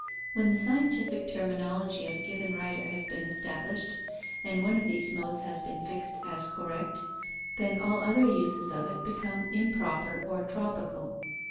When the scientific terminology of a given writer has been established, and one of these modes has been fixed as correct, then all other uses of it become improper or tropical.